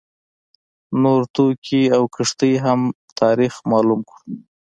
نور توکي او کښتۍ هم تاریخ معلوم کړو.